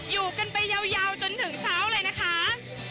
อยู่กันไปยาวจนถึงเช้าเลยนะคะ